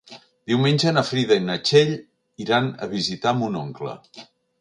Diumenge na Frida i na Txell iran a visitar mon oncle.